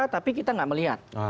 tapi kita nggak melihat